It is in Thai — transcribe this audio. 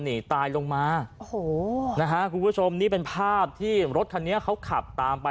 หนีตายลงมาโอ้โหนะฮะคุณผู้ชมนี่เป็นภาพที่รถคันนี้เขาขับตามไป